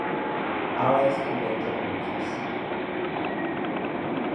Ahora es convento de monjas.